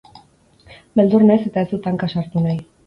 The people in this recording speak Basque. Beldur naiz eta ez dut hanka sartu nahi.